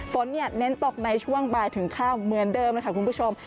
เน้นตกในช่วงบ่ายถึงค่ำเหมือนเดิมเลยค่ะคุณผู้ชม